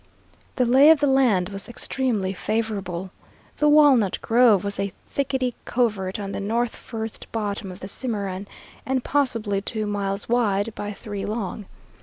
The lay of the land was extremely favorable. The Walnut Grove was a thickety covert on the north first bottom of the Cimarron, and possibly two miles wide by three long.